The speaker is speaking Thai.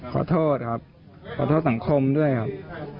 ขอโทษครับขอโทษสังคมด้วยครับ